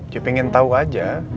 dia pingin tahu aja